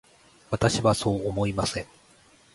私はそうは思いません。